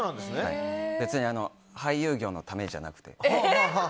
別に俳優業のためじゃなくて。